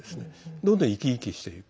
どんどん生き生きしていく。